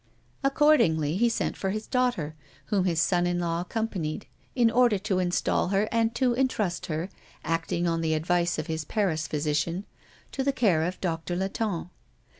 Accordingly, he sent for his daughter, whom his son in law accompanied, in order to install her and to intrust her, acting on the advice of his Paris physician, to the care of Doctor Latonne.